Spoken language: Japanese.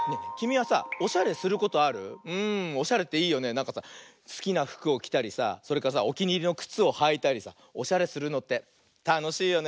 なんかさすきなふくをきたりさそれからさおきにいりのくつをはいたりさおしゃれするのってたのしいよね。